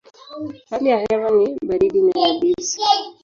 Hali ya hewa ni baridi na yabisi.